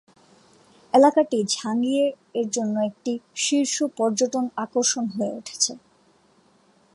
এলাকাটি ঝাংগিয়ে-এর জন্য একটি শীর্ষ পর্যটন আকর্ষণ হয়ে উঠেছে।